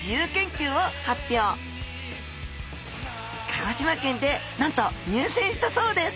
鹿児島県でなんと入選したそうです。